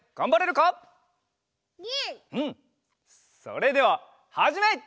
それでははじめい！